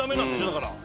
だから。